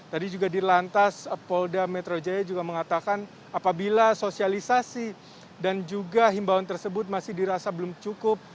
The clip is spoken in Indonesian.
tadi juga di lantas polda metro jaya juga mengatakan apabila sosialisasi dan juga himbauan tersebut masih dirasa belum cukup